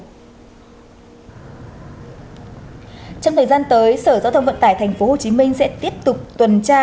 trong thời gian tới sở giáo thông vận tải thành phố hồ chí minh sẽ tiếp tục tuần tra